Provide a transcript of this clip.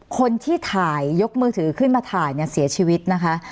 คนที่ถ่ายยกมือถือขึ้นมาถ่ายเนี่ยเสียชีวิตนะคะ